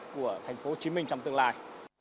của tp hcm trong tương lai